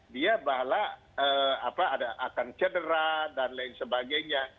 dia malah akan cedera dan lain sebagainya